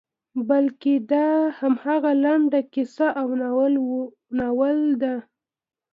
بلکې دا همغه لنډه کیسه او ناول ده.